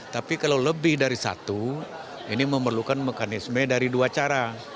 tapi kalau lebih dari satu ini memerlukan mekanisme dari dua cara